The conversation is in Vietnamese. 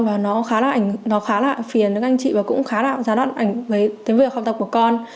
và nó khá là phiền với anh chị và cũng khá là giá đoạn ảnh với việc học tập của con